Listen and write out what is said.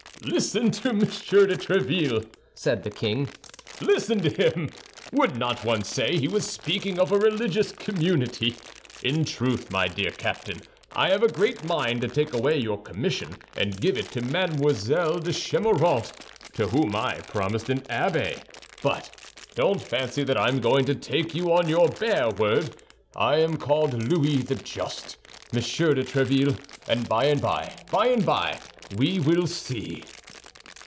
"Listen to Monsieur de Tréville," said the king; "listen to him! Would not one say he was speaking of a religious community? In truth, my dear Captain, I have a great mind to take away your commission and give it to Mademoiselle de Chemerault, to whom I promised an abbey. But don't fancy that I am going to take you on your bare word. I am called Louis the Just, Monsieur de Tréville, and by and by, by and by we will see."